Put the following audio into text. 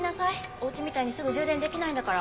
お家みたいにすぐ充電できないんだから。